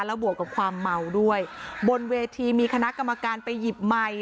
แล้วบวกกับความเมาด้วยบนเวทีมีคณะกรรมการไปหยิบไมค์